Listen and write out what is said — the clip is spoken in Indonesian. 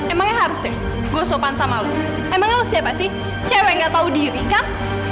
emangnya harus ya gue sopan sama lo emangnya lo siapa sih cewek nggak tau diri kan